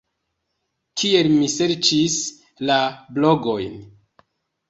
Kiel mi serĉis la blogojn?